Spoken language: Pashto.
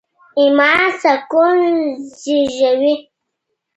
ایمان سکون زېږوي.